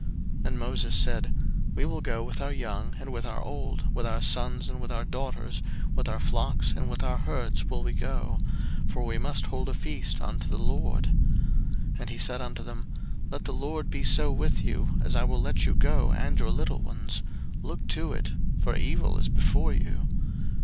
02:010:009 And Moses said, We will go with our young and with our old, with our sons and with our daughters, with our flocks and with our herds will we go; for we must hold a feast unto the LORD. 02:010:010 And he said unto them, Let the LORD be so with you, as I will let you go, and your little ones: look to it; for evil is before you.